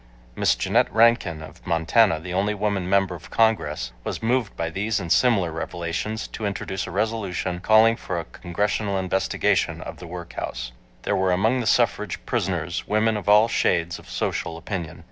Miss Jeannette Rankin of Montana, the only woman member of Congress, was moved by these and similar revelations to introduce a resolution calling for a Congressional investigation of the workhouse. For text of Miss Rankin's resolution see Appendix 3. There were among the suffrage prisoners women of all shades of social opinion.